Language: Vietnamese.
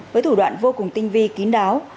với thủ đoạn vô cùng tinh vi kín đáo